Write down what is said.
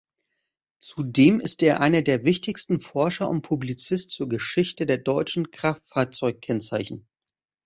Zudem ist er einer der wichtigsten Forscher und Publizist zur Geschichte der deutschen Kraftfahrzeugkennzeichen.